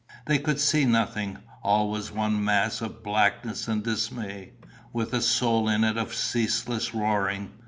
They could see nothing: all was one mass of blackness and dismay, with a soul in it of ceaseless roaring.